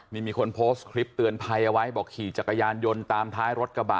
นี่มีคนโพสต์คลิปเตือนภัยเอาไว้บอกขี่จักรยานยนต์ตามท้ายรถกระบะ